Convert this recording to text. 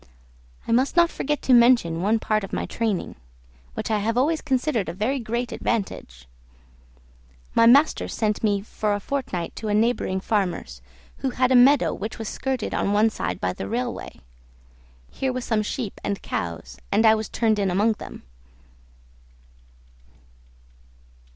I must not forget to mention one part of my training, which I have always considered a very great advantage. My master sent me for a fortnight to a neighboring farmer's, who had a meadow which was skirted on one side by the railway. Here were some sheep and cows, and I was turned in among them.